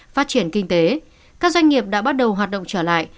phát triển kinh tế các doanh nghiệp đã bắt đầu hoạt động trở lại